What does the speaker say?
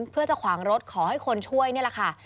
เพื่อจะขวางรถขอให้คนช่วยนี่แหละค่ะ